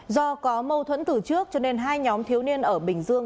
do có mâu thuẫn từ trước cho nên hai nhóm thiếu niên ở bình dương